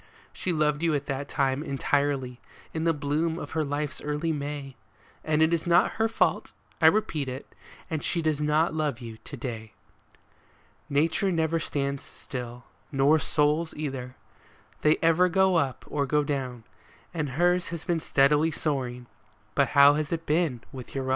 She loved you at that time entirely, in the bloom of her life's early May, And it is not her fault, I repeat it, that she does not love you to day. Nature never stands still, nor souls either. They ever go up or go down ; And hers has been steadily soaring, — but how has it been with your own